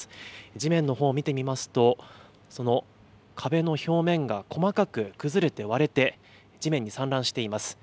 地面のほう見てみますと、その壁の表面が細かく崩れて割れて、地面に散乱しています。